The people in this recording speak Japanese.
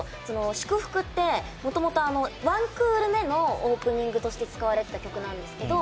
『祝福』って、もともと１クール目のオープニングとして使われてた曲なんですけど。